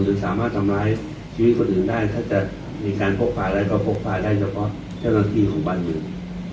ในสามสามาทำลายชีวิตก็จะได้ถ้าจะมีการปกษาแล้วก็จะปกษีและเฉพาะเฉลอหน้าที่ของบ้านนึง